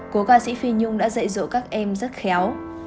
cố ca sĩ phi nhung đã dạy dỗ các em rất khéo